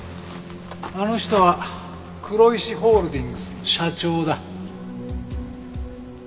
あの人はクロイシホールディングスの社長だ。